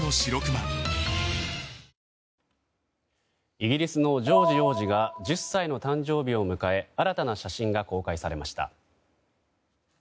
イギリスのジョージ王子が１０歳の誕生日を迎え新たな写真が公開されました。